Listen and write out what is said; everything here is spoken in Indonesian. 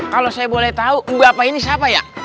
kalau saya boleh tahu bapak ini siapa ya